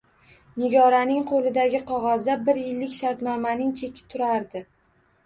Nigoraning qo`lidagi qog`ozda bir yillik shartnomaning cheki turardi